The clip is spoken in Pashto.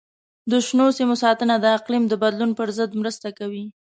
د شنو سیمو ساتنه د اقلیم د بدلون پر ضد مرسته کوي.